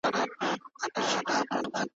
آیا ته غواړې په بهر کې زده کړه وکړې؟